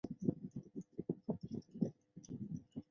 勒谢拉尔。